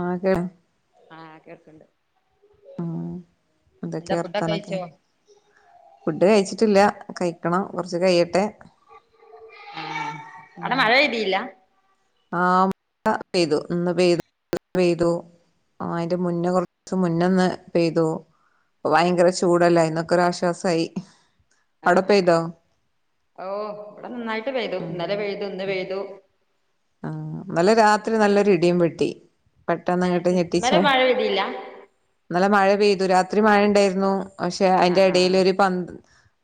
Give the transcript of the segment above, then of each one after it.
ആകെ ആ കേക്ക്ണ്ട് ആഹ് എന്തൊക്കെ എന്താ ഫുഡൊക്കെ വർത്താനൊക്കെ കഴിച്ചോ ഫുഡ് കഴിച്ചിട്ടില്ല കഴിക്കണം കൊർച്ച് കയ്യട്ടെ അവടെ മഴ പെയ്തില്ല ആ വടെ പെയ്തു ഇന്ന് പെയ്തു ആ അയ്ന്റെ മുന്നെ കൊർച്ച് മുന്നൊന്ന് പെയ്തു ഭയങ്കര ചൂടല്ലേ അയ്ന്നൊക്കൊരാശ്വാസായി ആ ആ ആ ഓ ഇവടെ നന്നായിട്ട് പെയ്തു ഇന്നലെ പെയ്തു ഇന്ന് പെയ്തു ആ നല്ല രാത്രി നല്ലൊരു ഇടിയും വെട്ടി ഏഹ് പെട്ടെന്നങ്ങട്ട് ഇന്നലെ ഞെട്ടിച്ചാടി മഴ പെയ്തില്ല ഇന്നലെ മഴ പെയ്തു രാത്രി മഴണ്ടേന്നു പക്ഷെ അയ്ന്റെ ആഹ് ആഹ് എടേലൊര് പ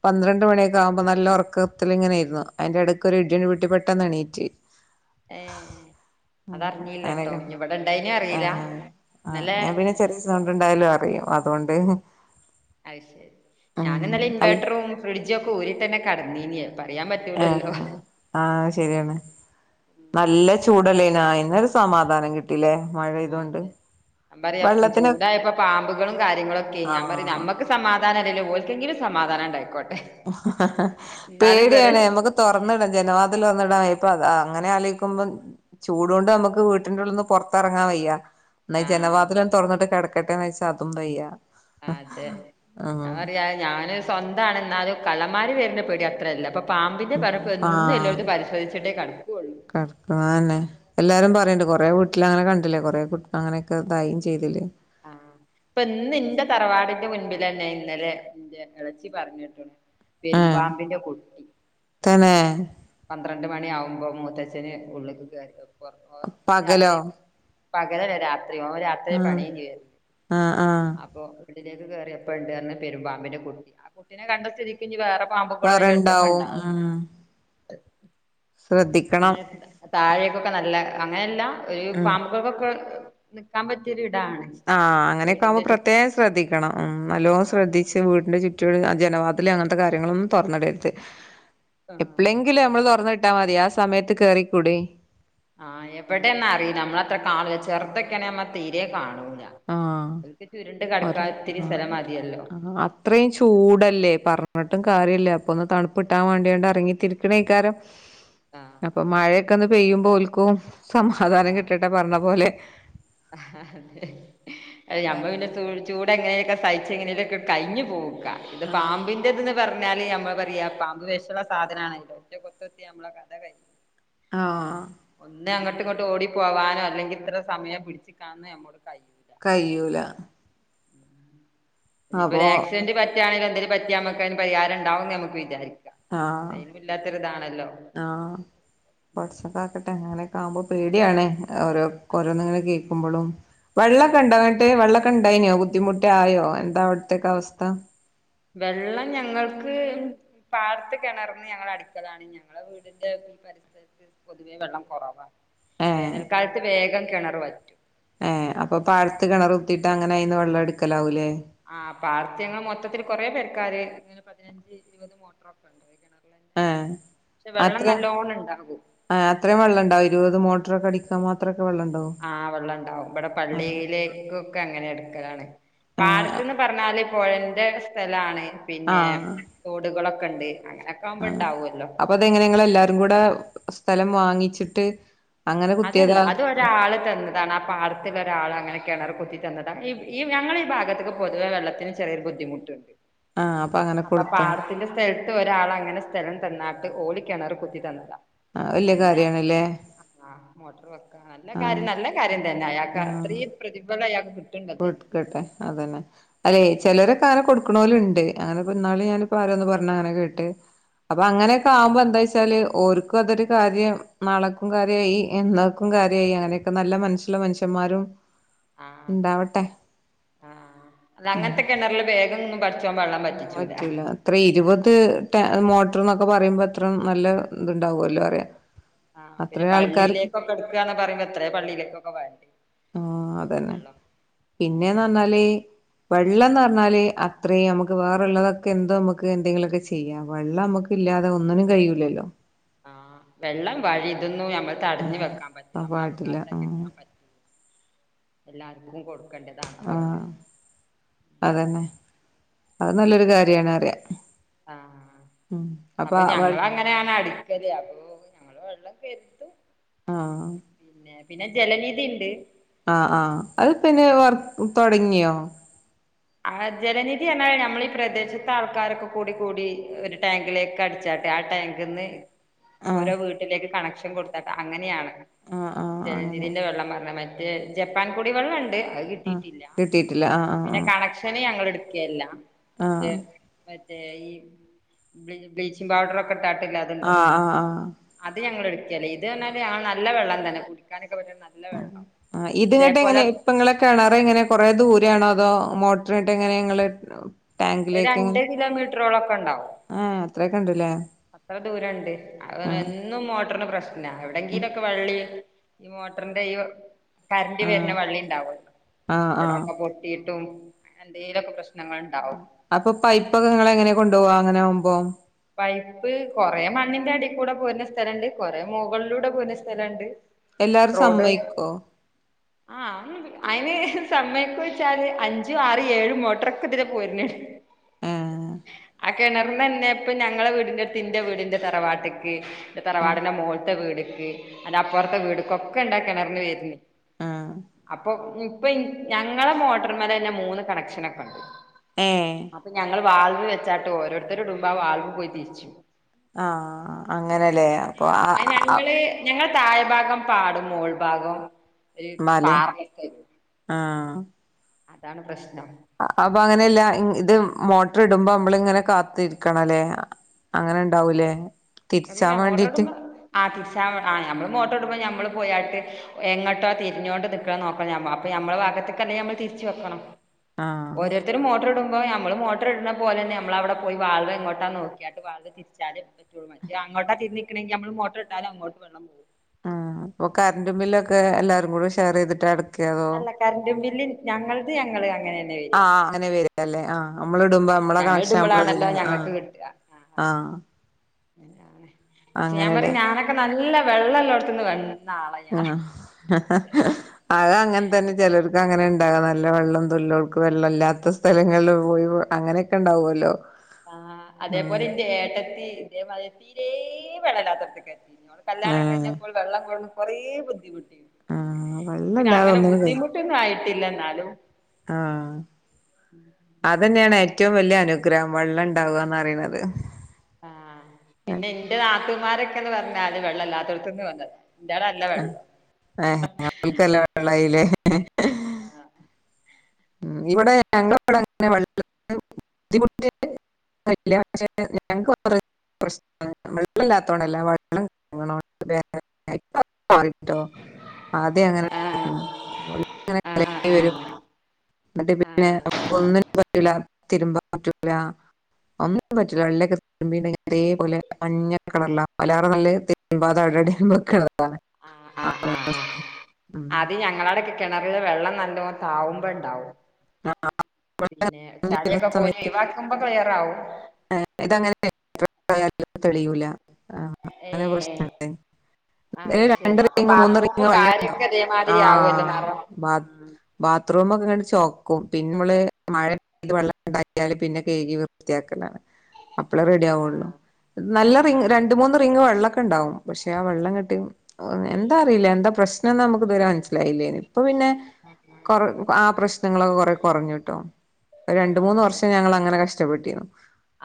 പന്ത്രണ്ട് മണിയൊക്കാകുമ്പോ നല്ല ഉറക്കത്തിലിങ്ങനെന്നു അയ്ന്റെടക്കൊരു ഇടി അങ്ങട്ട് പൊട്ടി പെട്ടെന്നെണീറ്റ് ഏഹ് അതറിഞ്ഞില്ലട്ടോ അങ്ങനൊക്കെണ് ഇനി ഇവിടെ ഇണ്ടായിനെ ആ അറിയില്ല ആ ഇന്നലെ ഞാൻ പിന്നെ ചെറിയ സൗണ്ട് ണ്ടായാലും അറിയും അതോണ്ട് അത് ശെരി ഞാന്ന്നലെ അല്ല ഇൻവേട്ടറും ഫ്രിഡ്ജൊക്കെ ഊരിത്തെന്നെ കെടന്യീനത് പറയാൻ പറ്റൂലല്ലോ ആ ശെരിയാണ് നല്ല ചൂടല്ലേനോ അയ്ന്നൊരു സമാധാനം കി ട്ടിലേ മഴ ആഹ് പെയ്തോണ്ട് അതെ ഞാൻ പറയാ വെള്ളത്തിന് ചൂടായപ്പോ പാമ്പുകളും കാര്യങ്ങളൊക്കെ ഞാൻ പറയ ആഹ് ഞമ്മ ക്ക് സമാധാനല്ലെങ്കിലും ഓൽക്കെങ്കിലും സമാധാനം ണ്ടായിക്കോട്ടെ പേടിയാണ് നമ്മക്ക് തൊർന്നിടാ ജനവാതില് തൊർന്നിടാപ്പങ്ങനെ ആലോയ്ക്കുമ്പം ചൂടോണ്ട് നമ്മക്ക് വീട്ടിന്റെ ഉള്ള്ന്ന് പൊർത്തെർങ്ങാൻ വെയ്യ ന്നാ ആഹ് ജനവാതലം തൊറ്ന്നിട്ട് ക്കട്ക്കട്ടെന്ന് വെച്ച അതും വെയ്യ അതെ ഞാൻപറയാ ഞാന് സ്വന്തണ് ന്നലും കള്ളര് വെര്ന്നന്റെ പേടി അത്രല്ല അപ്പൊ പാമ്പിന്റെ ഉം പറഞ്ഞപ്പോ എന്നും എല്ലായിടത്തും പരിശോധിച്ചിട്ടേ ക്കെടക്കുള്ളൂ കെടക്ക്ണതന്നെ എല്ലാരും പറിണ്ട് കൊറേ വീട്ടിൽ അങ്ങനെ കണ്ടില്ലേ കൊറെേ കുട്ട അങ്ങനെക്കെ ഇതായിം ചെയ്തിലെ ആഹ് ഇപ്പൊ ഇന്ന് ന്റെ തറവാടിന്റെ മുൻപിലന്നെ ഇന്നലെ ന്റെ ഇളച്ചി പറഞ്ഞെട്ടു ആഹ് പെരുമ്പാമ്പിന്റെ കുട്ടി തന്നെ പന്ത്രണ്ട് മണിയ ആകുമ്പോ മൂത്തച്ഛന് ഉള്ളേക്ക് കേറിയൊക്കുമ്പോ പകലോ രാത്രി പകലല്ല രാത്രി ഓൻ രാത്രിയാ ആഹ് പണി കഴിഞ്ഞ് വരുന്ന് ആഹ് ആഹ് അപ്പൊ വീട്ടിലേക്ക് കയറിയപ്പണ്ട് റ്ഞ്ഞു പെരുമ്പാമ്പിന്റെ കുട്ടി ആ കുട്ടിനെ കണ്ട സ്ഥിതിക്ക് ഇഞ്ഞി വേറെ പാമ്പുകളും അതിന്റെ അടുത്തൊക്കെ വേറെണ്ടാവും ണ്ടാവും ശ്രദ്ധിക്ക അങ്ങനെ താഴേക്കൊക്കെ നല്ല അങ്ങനെയല്ല ഒരു ഉം പാമ്പക്കൾക്കൊക്കെ നിക്കാൻ പറ്റിയ ഒരിടാണ് ആഹ് അങ്ങനെയൊക്കെ ആകുമ്പോ പ്രത്യേകം ശ്രദ്ധിക്കണം ഉം നല്ലോണം ആഹ് ശ്രദ്ധി ശ്രദ്ധിച്ച് വീടിന്റെ ചുറ്റുള്ള ജനവാതില് അങ്ങന്ത്തെ കാര്യങ്ങളൊന്നും തൊറന്ന്ടരുത് ആഹ് എപ്പഴെങ്കിലും നമ്മള് തൊറ്ന്ന്ട്ടാ മതി ആഹ് സമയത്ത് കേറിക്കൂടയ് ആഹ് എവിടെ നാറീല നമ്മളത്രെ കാണൂല ചെറുതൊക്കെ നമ്മള് തീരെേ കാണൂല ആഹ് അറ്റക്ക് ചുരുണ്ട് ഒരു കടക്കാൻ ഇത്തിരി സ്ഥലം ആഹ് മതിയല്ലോ ആഹ് അത്രയും ചൂടല്ലേ പറ്ഞ്ട്ടും കാര്യല്ല അപ്പോ ഒന്ന് തണുപ്പ് കിട്ടാൻ വേണ്ടിട്ട് ഇറങ്ങിത്തിരിക്കണേക്കാരം ആഹ് [unintelligible] അപ്പൊ ആഹ് മഴയൊക്കെന്ന് പെയ്യുമ്പോ ഓൽക്കും സമാധാനം കിട്ടട്ടെ പറഞ്ഞ പോലെ ആഹ് അതെ ഞമ്മള് പിന്നെ ചൂട് എങ്ങനെലൊക്കെ സയ്ച്ച് എങ്ങനെലൊക്കെ കയ്ഞ്ഞു പോകുക്ക ഇത് ആഹ് പാമ്പിനെ ഇതന്ന് പറഞ്ഞാല് ഞമ്മള് പറയാ പാമ്പ് വെഷള്ള സാധനാണല്ലോ ഒറ്റ കുത്ത്ത്തിയാൽ നമ്മളെ കഥ കഴിഞ്ഞു ആഹ് ഒന്ന് അങ്ങോട്ട് ഇങ്ങോട്ട് ഓടി പോവാനോ അല്ലെങ്കിൽ ഇത്ര സമയം പിടിച്ചിക്കാനോ നമ്മോട് കയില്ല ക്കയ്യൂല ഇനിപ്പോ അപ്പോ ഒരു ആക്സിഡന്റ് പറ്റാണെങ്കില് എന്തെിലും പറ്റാ നമുക്ക്തിന് പരിഹാര ഉണ്ടാവും നമക്ക് വിചാരിക്ക ആഹ് എല്ലില്ലാതൊരു താണല്ലോ ആഹ് പടച്ചോൻ കാക്കട്ടെ അങ്ങനെയൊക്കെ ആവുമ്പോ അതെ പേടിയാണ് ഓരോ ആഹ് ഓരോന്ന് ഇങ്ങനെ കേക്കുമ്പളും ആഹ് വെള്ളൊക്കെണ്ടങ്ങട്ടെ വെള്ളക്കെണ്ടയ്നോ ബുദ്ധിമുട്ടായോ എന്താ അവിട്തൊക്കെ അവസ്ഥ വെള്ളം ഞങ്ങൾക്ക് പാട്ത്ത് കെണർന്ന് ഞങ്ങൾ അടിക്കലാണ് ഞങ്ങളെ വീടിന്റെ പരിസരത്ത് പൊതുവെ വെള്ളം കൊറവാ ഏഹ് വേനൽക്കാലത്ത് വേഗം കെണറ് വറ്റും ഏഹ് അപ്പോ പാടത്ത് കെണറ് കുത്തീട്ട് അങ്ങനെ അതിന്ന് വെള്ളം ട്ക്കലാവൂല്ലേ ആഹ് പാടത്ത് ഞങ്ങൾക്ക്‌ മൊത്തത്തില് കൊറെ പെരക്കാര് ഇങ്ങനെ പതിനഞ്ച് ഇരുപത് മോട്ടോറൊക്കെ ഉണ്ട് കിണറിലന്നെ ആഹ് പക്ഷെ വെള്ളം അത്രെ നല്ലോണം ഉണ്ടാകും ആഹ് അത്രയും വള്ളംണ്ടാവോ ഇരുപത് മോട്ടറൊക്കെ അടിക്കാ മാത്രമൊക്കെ വെള്ളണ്ടാവോ ആഹ് വെള്ളം ണ്ടാവും ഇവിടെ പള്ളിയിലേക്ക് അങ്ങനെ എടുക്കലാണ് ഏഹ് പാടത്ത്ന്ന് പറഞ്ഞാല് പുഴന്റെരു സ്ഥലാണ് പിന്നെ ആഹ് തോടുകളൊക്കെ ഉണ്ട് അങ്ങന ആഹ് അപ്പൊ അതെങ്ങനെ നിങ്ങൾ എല്ലാരും കൂടെ സ്ഥലം വാങ്ങിച്ചിട്ട് അങ്ങനെ കുത്തിയതാ ആളെ തന്ന് അതാണ് ആ പടത്ത് ഒരാൾ അങ്ങനെ കിണർ കുത്തി തന്നതാ ഈ ഞങ്ങളുടെ ഈ ഭാഗത്തേ പൊതുവെ വെള്ളത്തിന് ചെറിയൊരു ബുദ്ധിമു ആഹ് അങ്ങനെ അപ്പൊ കൊടുത്താ പാടത്തിന്റെ സ്ഥലത്ത് ഒരളങ്ങനെ സ്ഥലം തന്ന ട്ട് ഓളി കേണറ് കുത്തി തന്നതാ ആ വല്ലിയ കാര്യണല്ലേ ആഹ് മോട്ടർ വെക്ക നല്ല കാര്യം നല്ല കാര്യം തന്നെ അയാൾക്ക് ആഹ് അത്രയും പ്രതിഫലം അയാൾക്ക് കിട് കൊടുക്കട്ടെ അതന്നെ അതെ ചിലരക്കെ ആനെ കൊടുക്കണോര് ഉണ്ട് ഇന്നാള് ഞാനിപ്പ ആരാന്ന് പറഞ്ഞ അങ്ങനെ കേട്ട് അപ്പൊ അങ്ങനൊക്കെ ആവുമ്പോ എന്താ വെച്ചാല് ഓർക്കും അതൊരു കാര്യം നാളക്കും കാര്യായി എന്നാ ക്കും കാര്യായി അങ്ങനെയൊക്കെ നല്ല മനസ്സുള്ള മനുഷ്യന്മാരും ഉണ്ടാവട്ടെ ആഹ് അത് അങ്ങനത്തെ കിണറില് വേഗം ഒന്നും ബ ഉം പറ്റൂല അത്ര ഇരുപത് ട മോട്ടർ എന്നൊക്കെ പറയുമ്പോ അത്ര നല്ല ഇത്ണ്ടാവുമല്ലോ അറിയ ആഹ് പിന്നെ അത്രയും ആൾക്കാർക്ക് പള്ളിലേകൊക്കോ എടുകയന്ന് പറയ്പോ എത്രേ പള്ളിയിലേക്കൊക്കെ വേണ്ടേ ആഹ് അതന്നെ വെള്ളം ഉം. പിന്നേന്ന്റഞ്ഞാല് വെള്ളന്ന്ർഞ്ഞാല് അത്രയും നമുക് ക്ക് വേറള്ളതൊക്കെ എന്തോ നമുക്ക് എന്തെിലൊക്കെ ചെയ്യ വെള്ളം നമുക്ക് ഇല്ലാതെ ഒന്നിനും കഴിയൂല്ലല്ലോ ആഹ് വെള്ളം വഴി ഇതൊന്നും നമ്മൾ തടഞ്ഞു വെക്കാൻ പറ്റൂ ആഹ് നമ്മള പാടില്ല അവകാശം ഒക്കെ ആഹ് എടുക്കാൻ പറ്റല്ല എല്ലാർക്കും കൊടുക്കും ആഹ് അതന്നെ അത് നല്ലൊരു കാര്യണ അറിയാം ആഹ് അപ്പൊ ഞങ്ങളങ്ങ അ അടിക്കല് അപ്പ ഞങ്ങ വെള്ളം കരുത്തും ആഹ് പിന്നെ പിന്നെ ജല രീതി ഇണ്ട് ആഹ് ആഹ് അത് പിന്നെ വർക്ക്‌ തുടങ്ങിയോ ആഹ് ജലനിധി എന്നാൽ നമ്മൾ ഈ പ്രദേശത്തെ ആൾക്കാരൊക്കെ കൂടി കൂടി ഒരു ടാങ്കിലേക്ക് അട ച്ചട്ടെ ആഹ് ടാങ്ക്ന്നു ആഹ് ഓരോ വീട്ടിലേക്ക് കണക്ഷൻ കൊടുത്താട്ട അങ്ങനെയാണ് ആഹ് ആഹ് അങ്ങനെ ജനനിധന്റെ വെള്ളം പറഞ്ഞ മറ്റേ ജപ്പാൻ കൂടി വെള്ളം ഉണ്ട് അത് കിട്ടിയിട്ടില്ല കിയിട്ടില്ല ആഹ് ആഹ് പിന്നെ ആഹ് കണക്ഷന് ഞങ്ങടെ എടുക്കയല്ല ആഹ് ആഹ് മറ്റേ ഈ ബ്ലീച്ചിങ് പൌഡർ ഒക്കെ ഇട്ടാട്ടില്ല അതുണ്ടല്ലോ ആഹ് ആഹ് ആഹ് അത് ഞങ്ങൾ എടുക്കല്ലേ ഇത് പറഞ്ഞാ ഞങ്ങള് നല്ല വെള്ളം തന്നെ കുടിക്കാൻ ഒക്കെ പറ്റുന്ന നല്ല വെള്ളം ആഹ് ഇതങ്ങോട്ട് ഇതേപോലെ എങ്ങനെ ഇപ്പങ്ങളെ കിണാറ് ഇങ്ങനെ കൊറെ ദൂരെ ആണോ അതോ മോട്ടർ ഇട്ട എങ്ങനെ ഇങ്ങള് ഒരണ്ട് കിലോമീറ്ററോളം ഒക്കെ ഉണ്ടാവും ഏഹ് അത്രയൊക്കെ ഉണ്ടല്ലേ അത്ര ദൂരണ്ട് അത് വന്ന് എൻ ഒന്നും മോട്ടറിന് പ്രശ്ന എവിടെങ്കിലൊക്കെ വെള്ളി ഈ മോട്ടറിന്റെ ഈ കറന്റ്‌ ആ വരുന്ന വള്ളി ഉണ്ടാവല്ലോ ആ ആ അവിടെ അപ്പൊട്ടിയിട്ടും എന്തലൊക്കെ പ്രശ്നങ്ങൾ ഉണ്ടാവും അപ്പൊ പൈപ്പ് ഒക്കെ നിങ്ങളെങ്ങനെയ കൊണ്ടുപോകാ അങ്ങനെ ആവുമ്പോ പൈപ്പ് കുറെ മണ്ണിന്റെ അടി കൂടെ പോരുന്ന സ്ഥലം ഇണ്ട് കുറെ മുകളിലൂടെ പോരുന്ന സ്ഥലം ഇണ്ട് എല്ലാരും റോഡ് സമ്മയിക്കോ ആഹ് അ അയിന് സമയൊക്കെ വെച്ചാല് അഞ്ചും ആറ് ഏഴും മോട്ടറൊക്കെ ഇതിലേ പോരുന് ആഹ് ആഹ് കിണർന്ന് തന്നെപ്പൊ ഞങ്ങളെ വീടിന്റെടുത്തിന്റെ വീടിന്റെ തറവാട്ടക്ക് ആ തറവാടിന്റെ മോളത്തെ വീടക്ക് അതിന്റെ അപ്പറത്തെ വീടക്കൊക്കെ ഉണ്ടാക്കി കിണറിന്ന് വരുന്ന ആ അപ്പൊ ഇപ്പൊ ഞങ്ങളെ മോട്ടർ മേലെ തന്നെ മൂന്ന് കണക്ഷനൊക്കെ ഉണ്ട് ഏഹ് അപ്പൊ ഞങ്ങൾ വാൾവ് വെച്ചാട്ട് ഓരോരുത്തര് ഇടുമ്പോ ആഹ് വാൾവ് പോയി തിരിച്ചു ആഹ് അങ്ങനെയല്ലേ അപ്പൊ ഞങ്ങൾ താഴ് ഭാഗം പാടും മോൾ ഭാഗം ഒരു പാർ ആഹ് അതാണ് പ്രശ്നം അപ്പൊ അങ്ങനെ അല്ല ഇത് മോട്ടർ ഇടുമ്പോ നമ്മളിങ്ങനെ കാത്തിരിക്കണം അല്ലേ അങ്ങനെ ഉണ്ടാവൂലേ തിരിച്ചാൻ വേണ്ടിയിട്ട് ആഹ് തിരിച്ച ആഹ് നമ്മൾ മോട്ടർ ഇടുമ്പോൾ നമ്മൾ പോയട്ട് എങ്ങോട്ടോ തിരിഞ്ഞോണ്ട് നിൽക്കണം നോക്കണം അപ്പ ഞമ്മള ഭാഗത്തേക്കല്ലേ ഞമ്മള് തിരിച്ചു വെക്കണം ആഹ് ഒരറ്റ ഓരോരുത്തര് മോട്ടർ ഇടുമ്പോ നമ്മള് മോട്ടർ ഇടുന്ന പോലെ തന്നെ ഞമ്മള് അവിടെ പോയി വാൾവ് എങ്ങോട്ടാ നോക്കാട്ട് തിരിച്ചാലും പറ്റുള്ളൂ മറ്റേ അങ്ങോട്ടാണ് തിരിഞ്ഞു നൽക്കണെങ്കിൽ മോട്ടർ ഇട്ടാൽ അങ്ങോട്ട് വെള്ളം പോകും ആഹ് അപ്പൊ കറന്റ്റും ബില്ലൊക്കെ എല്ലാരും കൂടെ ഷെയർ ചെയ്തിട്ട് എടുക്ക് അല്ല കറന്റ്‌ ബില്ല് ഞങ്ങളത് ഞങ്ങള് അങ്ങനെ തന്നെ വരിക ആഹ് അങ്ങനെ വരില്ലേ ആഹ് നമ്മള് ഇടുമ്പോ ആ നമ്മള് ഞങ്ങൾ കണക്ഷൻ നമ്മള് അതില ഇടുമ്പോളാണല്ലോ ആഹ് ഞങ്ങൾക്ക് കിട്ടുക ആ ആഹ് പക്ഷെ ഞാൻ അങ്ങനെല്ലേ പറയും ഞാനൊക്കെ നല്ല വെള്ളം നല്ലാ വെള്ളം ഉള്ളടത്തുനിന്ന് വന്നു ആഹ് അത് അങ്ങനെ തന്നെ ചിലർക്ക് അങ്ങനെ ഉണ്ടാകാം നല്ല വെള്ളം തല്കൾക്ക് വെള്ളമല്ലാത്ത സ്ഥലങ്ങളിൽ പോയി അങ്ങനെയൊക്കെ ഉണ്ടാവുമല്ലോ ആഹ് അതേപോലെ ആഹ് എന്റെ ഏട്ടത്തി ഇതേ മാതിരി തീരേ വെള്ള ഇല്ലാത്തടുത്ത എത്തി കല്യാണം ഏഹ് കഴിഞ്ഞപ്പോൾ വെള്ളം കൊടുന്ന് കൊറേ ബുദ്ധിമുട്ടിണ്ട് ആഹ് പിന്നെ വെള്ളല്ലാതെ അങ്ങനെ ഒന്നിനും കഴി ബുദ്ധിമുട്ട് ന്നും ആയിട്ടില്ല എന്നാലും ആഹ് ഉം അത് തനെയാണ് ഏറ്റവും വലിയ അനുഗ്രഹം വെള്ളം ഉണ്ടാവുക എന്ന് പറയുന്നത് ആഹ് പിന്നെ എന്റെ നാത്തുൻമാരൊക്കെന്ന് പറഞ്ഞാല് വെള്ളം ഇല്ലാത്തോടത്തന്ന് വന്നത് എന്റെട അല്ല വേള്ളു വെള്ളായിലെ ഉം ഇവിടെ ഞങ്ങള ഇവിടെ അങ്ങനെ ബുദ്ധിമുട്ടല്ല പക്ഷെ ഞങ്ങക്ക് പ്രശ്ന വെള്ളം ഇല്ലാത്തോണ്ടല്ലാം വള്ളം [unintelligible] ഇപ്പോ അത് മാറിട്ടോ ആദ്യം അങ്ങനെരുന്നു ആഹ് [unintelligible] ആഹ് ആഹ് വരും ആഹ് എന്നിട്ട പിന്നെ ആഹ് നമുക്ക് ഒന്നിനും പറ്റുല തിരുമ്പാൻ പറ്റൂല ഒന്നും പറ്റില്ലെ വെള്ളൊക്കെ അതേപോലെ മഞ്ഞ കളറില വല നല്ല ആഹ് [unintelligible] ആഹ് ആഹ് [unintelligible] അത് ഞങ്ങളടൊക്കെ കിണറിലെ വെള്ളം നല്ലോ താവുമ്പോ ഉണ്ടാവും പിന്നെ ചാലയൊക്കെ കോരി സമയത്ത് ഒഴിവാക്കുമ്പോ ക്ലിയർ ആവും [unintelligible] ഇതങ്ങനെ തെളിയുല ആഹ് അന്നെ ഏഹ് കുറച്ച് അത് ശരി രണ്ട് അപ്പൊ റീങ് മൂന്ന് റീങ് ബാത്റൂമും കാര്യൊക്കെ വെള്ളണ്ടാവും ആ ഇതേമാതിരി ആവുമല്ലോ നറം ബാത്റൂമ ഒക്കെ കണ്ട് ചോ പിന്നെ നമ്മള് മഴത് വെള്ളം ഉണ്ടാക്കിയാല് പിന്നെ കഴകി വൃത്തിയാക്കലാണ് അപ്പളേ റെഡി ആവുള്ളു ആഹ് നല്ല റിങ് ആഹ് രണ്ട മൂന്ന് റിങ്ങ് വെള്ളമൊക്കെ ഉണ്ടാവും പക്ഷെ ആ വെള്ളം കെട്ടി എന്താ അറിയില്ല എന്താ പ്രശ്നംന്ന് നമുക്ക് ഇതുവരെ മനസ്സിലായില്ലേ ഇപ്പ പിന്നെ കൊറ ആ പ്രശ്ന ങ്ങളൊക്കെ കൊറ കുറഞ്ഞ ട്ടു ആഹ് രണ്ട ആഹ് മൂന്ന് ആഹ് വർഷം ഞങ്ങ അങ്ങനെ കഷ്ടപ്പെട്ടിരുന്നു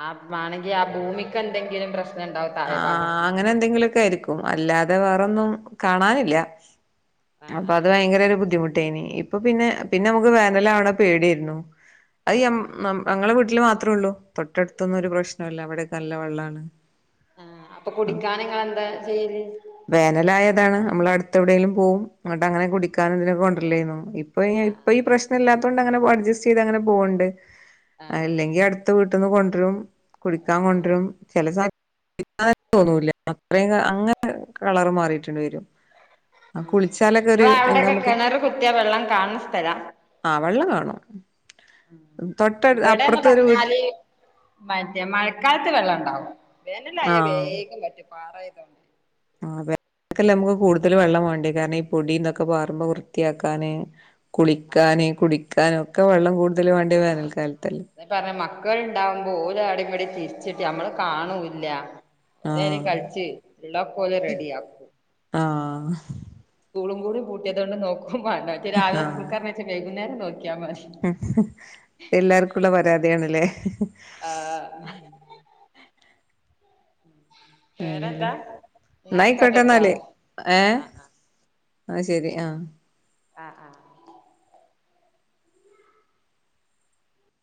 ആ ആണെങ്കിൽ ആ ഭൂമിക്ക് എന്തെങ്കിലും പ്രശ്നം ഉണ്ടാവും താഴെ ആഹ ഭാഗത്ത് അങ്ങനെ എന്തെങ്കിലുമൊക്കെ ആയിരിക്കും അല്ലാതെ വേറൊന്നും കാണാനില്ല ആഹ് അപ്പൊ അത് ആഹ് ഭയങ്കര ഒരു ബുദ്ധിമുട്ടായിനി ഇപ്പൊ പിന്നെ പിന്നെ അത് നമുക്ക് ശരി വേനല ആവണ പേടിായിരുന്നു ഐ ആഹ് ആം ആഹ് ഞങ്ങളോ വിട് വിട്ടിൽ മാത്രമേ ഉള്ളൂ തൊട്ടടുത്തൊന്നും ഒരു പ്രശ്നമല്ല അവിടെെ നല്ല വെള്ളമാണ് ആ അപ്പൊ കുടിക്കാൻ നിങ്ങെന്താ ചെയ്ല് വേനലായതാണ് നമ്മൾ അടുത്തെ എവിയേങ്കിലും പോവും ങ്ങോട്ട് അങ്ങനെ കുടിക്കാനും ഇതിനെ കൊണ്ടല്ലായരുന്നു ഇപ്പൊ ഇപ്പൊ ആഹ് ഈ ആഹ് പ്രശ്ന ഇല്ലാത്തൊണ്ട് അങ്ങനെ അഡ്ജസ്റ്റ് ചെയ്ത് അങ്ങനെ പോകണ്ട് ആഹ് അല്ലെങ്കിൽ അടു- ത്ത് വീട്ടന്ന് കൊണ്ടരും കുടിക്കാൻ ആഹ് കൊണ്ടരും ചേലെ ഇന്നെ തോന്നൂല അത്രയും അങ്ങനെ കളർ മാറിയിട്ടുണ്ട വരും കുളിച്ചാലൊക്കെ ഞ ഒരു എന്താ അവിടെൊക്കെ നമുക്ക് കിണറ് കുത്തിയാ വെള്ളം കാണ സ്ഥലം ആഹ വെള്ളം കാണും തൊട്ടടു ഇവിടെന്ന് അപ്പുറത്തെ ഒരു വീട്ടിൽ പറഞ്ഞാല് മറ്റേ മഴക്കാലത്ത് വെള്ളം ഉണ്ടാവും വേനല്ല അയാൽ ആഹ് വേഗും പറ്റും പാറയാ ൽ ആ വേനൽക്കെല്ല നമുക്ക് കൂടുതൽ വെള്ളം വേണ്ടേ കാരണം ഈ പൊടന്നൊക്കെ ബാറുമ്പോ വൃത്തിയാക്കാന് ആഹ് കുളിക്കാന് കുടിക്കാനും ഒക്കെ വെള്ളം കൂടുതൽ വേണ്ടി വേനൽക്കാലത്തല്ലേ അ പറഞ്ഞ മക്കൾണ്ടാവുമ്പോ ഓല അടിപടി തിരിച്ചിട്ട് നമ്മള് കാണൂല്ല ഓരരും ആഹ് കളിച്ചു ഉള്ളകെ ഓൽ റെഡിയ ആകും ആഹ സ്കൂളും കൂടി പുട്ടിയതുകൊണ്ട് നോക്കും മാണ്ടാ മറ്റൊരാവിലെ സ്കൂൾക്ക് പറഞ്ഞത് വൈുന്നേം നോക്കിയാ മതി ഉ എല്ലാർക്കുംള്ള പരാതിയാണല്ലേ ആ ആ വേറെന്താ ഏതായാലും എന്നാ എന്നായിക്കോട്ടെ ഐക്കോട്ടട്ടോ എന്നാല് ഏഹ് ഐശരി ആഹ് ആഹ് ആ